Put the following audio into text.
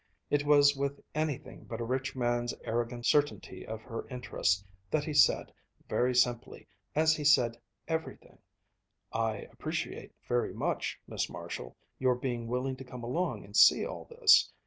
It was with anything but a rich man's arrogant certainty of her interest that he said, very simply as he said everything: "I appreciate very much, Miss Marshall, your being willing to come along and see all this.